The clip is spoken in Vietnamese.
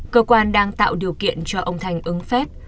cơ quan đang tạo điều kiện cho ông thành ứng phép